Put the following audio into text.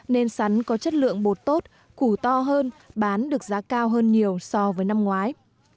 nên sắn có chất lượng bột tốt củ to hơn bán được giá cao hơn nhiều so với năm ngoái